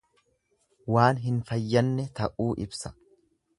Waan hin fayyanne ta'uu ibsa.